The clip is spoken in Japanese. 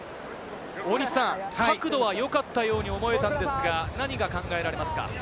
大西さん、角度は良かったように思えたんですが、何が考えられますか？